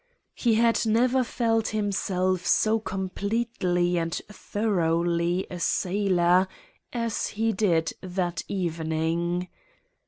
He had never felt himself so completely and thoroughly a sailor as he did that evening.